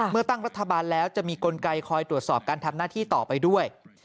ตั้งรัฐบาลแล้วจะมีกลไกคอยตรวจสอบการทำหน้าที่ต่อไปด้วย